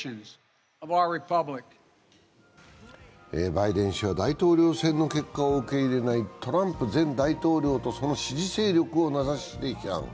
バイデン氏は大統領選の結果を受け入れないトランプ前大統領とその支持勢力を名指しで批判。